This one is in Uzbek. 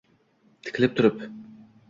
Tikilib turib